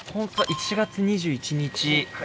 １月２１日。